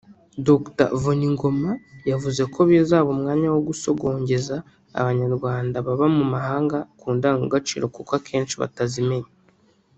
Dr Vuningoma yavuze ko bizaba umwanya wo gusogongeza Abanyarwanda baba mu mahanga ku ndangagaciro kuko akenshi batazimenye